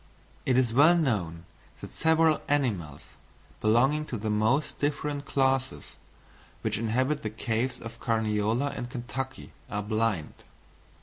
It is well known that several animals, belonging to the most different classes, which inhabit the caves of Carniola and Kentucky, are blind.